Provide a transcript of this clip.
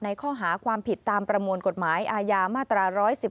ข้อหาความผิดตามประมวลกฎหมายอาญามาตรา๑๑๒